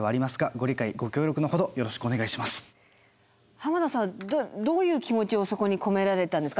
濱田さんどういう気持ちをそこに込められたんですか？